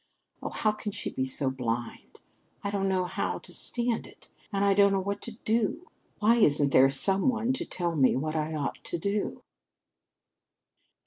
Oh, how can she be so blind? I don't know how to stand it! And I don't know what to do! Why isn't there some one to tell me what I ought to do?"